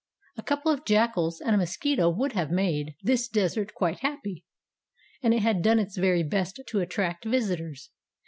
A couple of jackals and a mosquito would have made this Desert quite happy. And it had done its very best to attract visitors.